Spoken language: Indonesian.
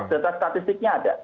data statistiknya ada